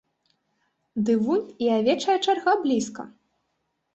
Ды вунь і авечая чарга блізка.